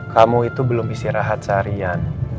kamu itu belum istirahat seharian